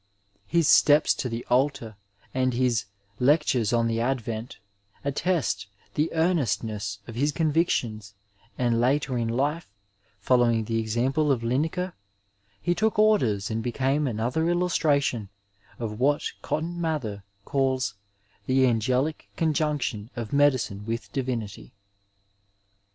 His Steps to the AUar and his Lectures oth the Advent attest the earnestness of his convictionB; and later in life, following the example of Linacrey he took orders and became another illustration of what Cotton Mather calls the angelic conjunction of medicine with divinity.